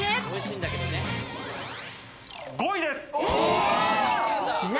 ５位です。